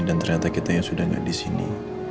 dan ternyata kita yang sudah nggak disini